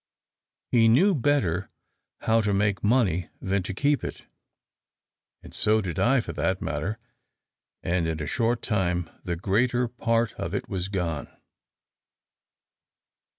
He knew better how to make money than to keep it; and so did I for that matter, and in a short time the greater part of it was gone.